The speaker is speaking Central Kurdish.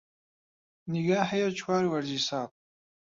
نیگا هەیە چوار وەرزی ساڵ